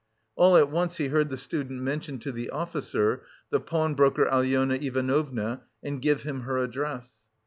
All at once he heard the student mention to the officer the pawnbroker Alyona Ivanovna and give him her address.